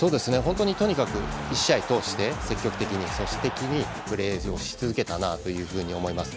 とにかく１試合通して積極的に、組織的にプレーし続けたと思います。